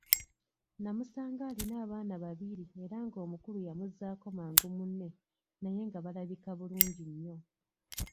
Namusanga alina abaana babiri era ng'omukulu yamuzzaako mangu munne naye nga balabika bulungi nnyo.